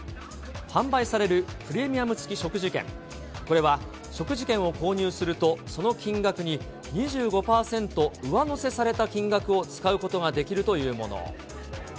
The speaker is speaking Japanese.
販売されるプレミアム付き食事券、これは食事券を購入すると、その金額に２５％上乗せされた金額を使うことができるというもの。